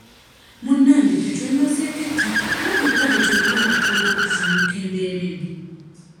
Munnange ffe twemazeeko ettaka kuba lyokka lye tuyina okutunda okuvvuunuka embeera embi.